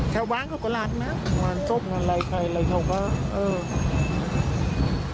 แค่วางเขาก็รักนะวางส้มอะไรใครอะไรเขาก็เออ